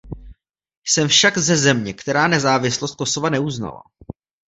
Jsem však ze země, která nezávislost Kosova neuznala.